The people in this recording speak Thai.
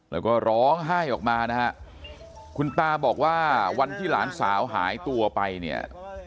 แล้วก็ร้องไห้ออกมานะฮะคุณตาบอกว่าวันที่หลานสาวหายตัวไปเนี่ย